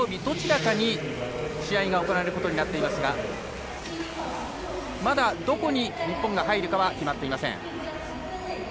どちらかに試合が行われることになっていますがまだ、どこに日本が入るかは決まっていません。